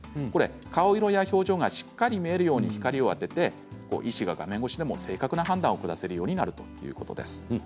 顔色や表情がしっかり見えるよう光を当てて医師が画面越しでも正確な判断を下せるようになるということです。